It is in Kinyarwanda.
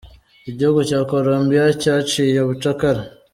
Igihugu cya Colombiya cyaciye ubucakara.